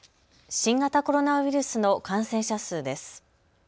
新型コロナウイルスの感染者数です。